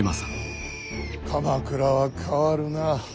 鎌倉は変わるな。